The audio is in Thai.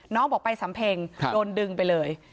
น้องบอกไปสำเพ็งโดนดึงไปเลย